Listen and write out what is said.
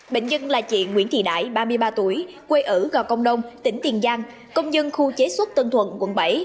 bệnh nhân là chị nguyễn thị đại ba mươi ba tuổi quê ở gò công đông tỉnh tiền giang công nhân khu chế xuất tân thuận quận bảy